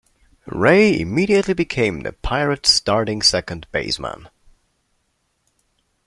Ray immediately became the Pirates' starting second baseman.